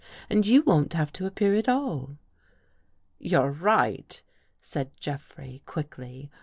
And you won't have to appear at all." " You're right," said Jeffrey, quickly.